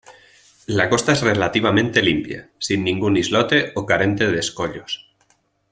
La costa es relativamente limpia, sin ningún islote o carente de escollos.